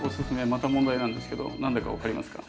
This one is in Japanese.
また問題なんですけど何だか分かりますか？